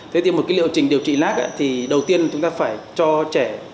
thế thì một cái liệu trình điều trị lác thì đầu tiên chúng ta phải cho trẻ